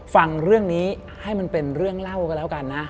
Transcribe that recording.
ฟังเรื่องนี้ให้มันเป็นเรื่องเล่ากันแล้วกันนะ